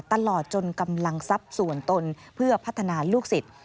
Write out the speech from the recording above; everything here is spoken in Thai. ตลอดจนกำลังทรัพย์ส่วนตนเพื่อพัฒนาลูกศิษย์